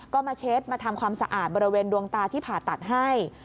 ก็มาเช็ดมาทำความสะอาดบริเวณดวงตาที่ผ่าตัดให้